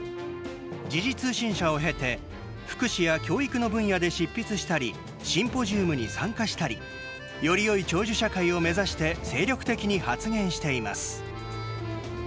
時事通信社を経て福祉や教育の分野で執筆したりシンポジウムに参加したりよりよい長寿社会を目指して精力的に発言しています。